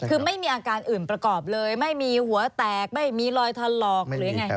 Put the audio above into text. คือไม่มีอาการอื่นประกอบเลยไม่มีหัวแตกไม่มีรอยถลอกหรือยังไง